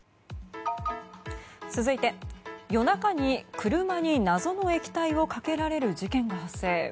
続いて、夜中に車に謎の液体をかけられる事件が発生。